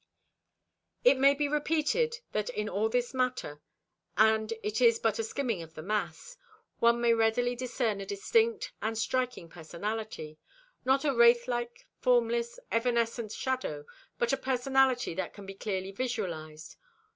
It may be repeated that in all this matter—and it is but a skimming of the mass—one may readily discern a distinct and striking personality; not a wraith like, formless, evanescent shadow, but a personality that can be clearly visualized.